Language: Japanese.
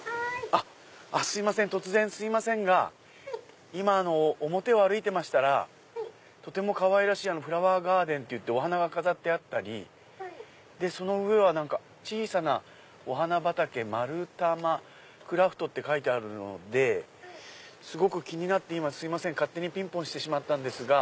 あっ突然すいませんが今表を歩いてましたらとてもかわいらしいフラワーガーデンお花が飾ってあったりその上は小さなお花畑まるたまクラフトって書いてあるのですごく気になって今勝手にピンポンしてしまったんです。